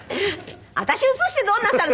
私映してどうなさるの？